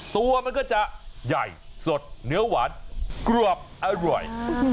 ตัวมันก็จะใหญ่สดเนื้อหวานกรอบอร่อย